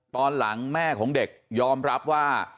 ตอนหลังแม่ของเด็กยอมรับว่า